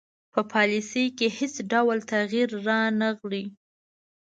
په پالیسي کې یې هیڅ ډول تغیر رانه غی.